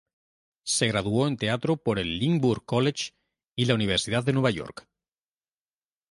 Se graduó en Teatro por el Lynchburg College y la Universidad de Nueva York.